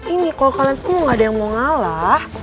ini kalau kalian semua ada yang mau ngalah